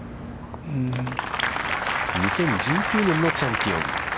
２０１９年のチャンピオン。